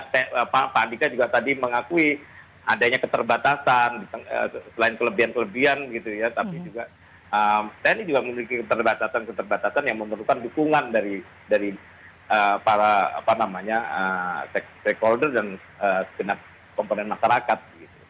tapi juga tni juga memiliki keterbatasan keterbatasan yang memerlukan dukungan dari para apa namanya stakeholder dan komponen masyarakat